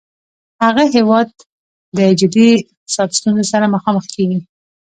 هغه هیواد د جدي اقتصادي ستونځو سره مخامخ کیږي